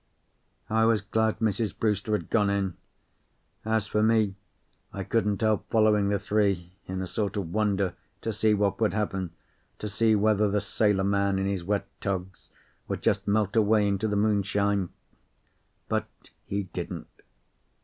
I was glad Mrs. Brewster had gone in. As for me, I couldn't help following the three, in a sort of wonder to see what would happen, to see whether the sailor man in his wet togs would just melt away into the moonshine. But he didn't.